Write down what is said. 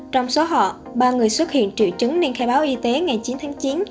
trong số họ ba người xuất hiện triệu chứng nên khai báo y tế ngày chín tháng chín